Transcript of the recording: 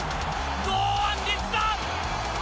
堂安律だ！